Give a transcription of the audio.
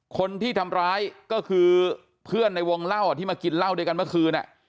คนที่ทำร้ายก็คือเพื่อนในวงเล่าที่มากินเหล้าด้วยกันเมื่อคืน